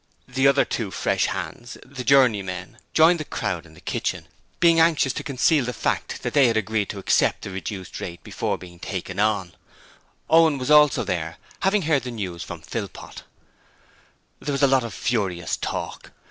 The other two fresh hands the journeymen joined the crowd in the kitchen, being anxious to conceal the fact that they had agreed to accept the reduced rate before being 'taken on'. Owen also was there, having heard the news from Philpot. There was a lot of furious talk.